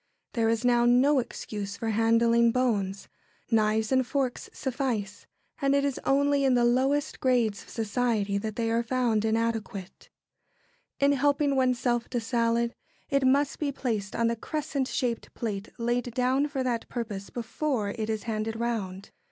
There is now no excuse for handling bones knives and forks suffice; and it is only in the lowest grades of society that they are found inadequate. [Sidenote: Salads.] In helping oneself to salad, it must be placed on the crescent shaped plate laid down for that purpose before it is handed round.